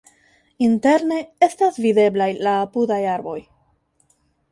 Interne estas videblaj la apudaj arboj.